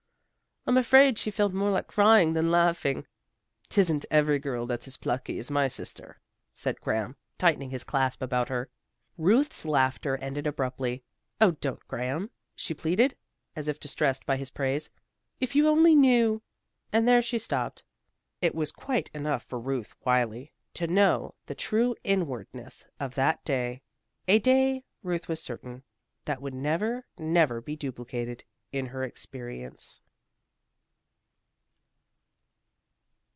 I'm afraid she felt more like crying than laughing." "'Tisn't every girl that's as plucky as my little sister," said Graham, tightening his clasp about her. Ruth's laughter ended abruptly. "Oh, don't, Graham," she pleaded, as if distressed by his praise. "If you only knew " And there she stopped. It was quite enough for Ruth Wylie to know the true inwardness of that day; a day, Ruth was certain, that would never, never be duplicated in her experience.